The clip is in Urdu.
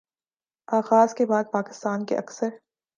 آغاز کے بعد پاکستان کے اکثر